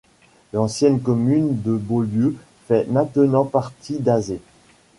L'ancienne commune de Beaulieu fait maintenant partie d'Azé.